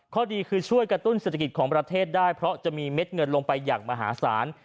ข้อดีคือช่วยกระตุ้นเศรษฐกิจของประเทศได้เพราะจะมีเม็ดเงินลงไปอย่างมหาศาล